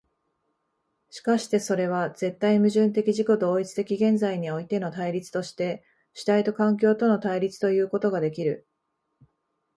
しかしてそれは絶対矛盾的自己同一的現在においての対立として主体と環境との対立ということができる。